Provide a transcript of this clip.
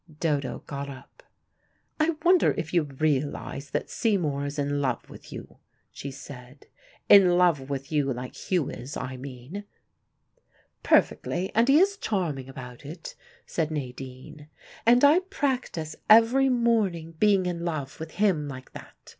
Dodo got up. "I wonder if you realize that Seymour is in love with you," she said. "In love with you like Hugh is, I mean." "Perfectly, and he is charming about it," said Nadine. "And I practise every morning being in love with him like that.